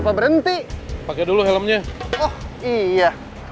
apa berhenti pakai dulu helmnya oh iya